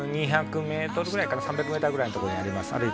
もう２００ｍぐらいかな３００ｍぐらいのところにあります